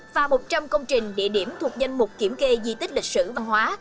và một trăm linh công trình địa điểm thuộc danh mục kiểm kê di tích lịch sử văn hóa